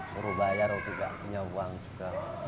suruh bayar tidak punya uang juga